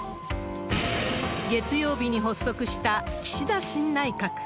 月曜日に発足した岸田新内閣。